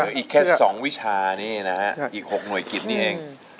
อีกแค่๒วิชานี่นะฮะอีก๖หน่วยกิจนี่เอง